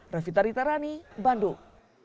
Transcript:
revita ritarani bandung